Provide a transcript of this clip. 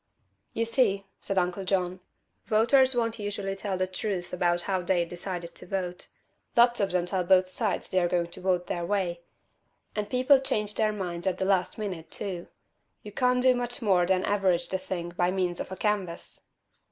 "You see," said Uncle John, "voters won't usually tell the truth about how they've decided to vote. Lots of them tell both sides they're going to vote their way. And people change their minds at the last minute, too. You can't do much more than average the thing by means of a canvass."